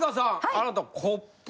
あなたコップ。